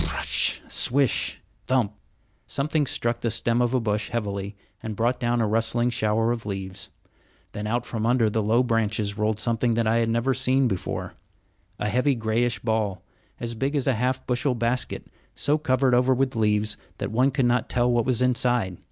Pr r r r ush, swish! thump! Something struck the stem of a bush heavily and brought down a rustling shower of leaves; then out from under the low branches rolled something that I had never seen before, a heavy, grayish ball, as big as a half bushel basket, so covered over with leaves that one could not tell what was inside.